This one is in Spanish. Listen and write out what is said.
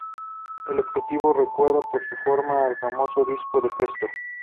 El objeto recuerda por su forma al famoso Disco de Festo.